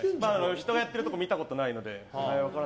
人がやってるところ見たことないので。